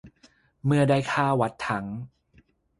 เมื่อได้ค่าวัดทั้ง